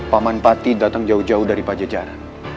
paman pati datang jauh jauh dari pak jajaran